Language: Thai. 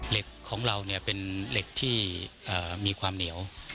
เหล็กของเราเป็นเหล็กที่มีความเหนียว